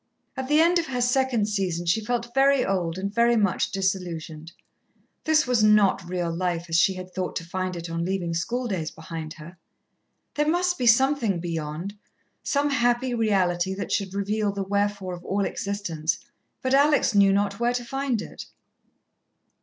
At the end of her second season she felt very old, and very much disillusioned. This was not real life as she had thought to find it on leaving schooldays behind her. There must be something beyond some happy reality that should reveal the wherefore of all existence, but Alex knew not where to find it.